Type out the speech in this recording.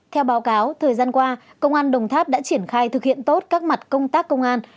theo báo cáo thời gian qua công an đồng tháp đã triển khai thực hiện tốt các mặt công tác công an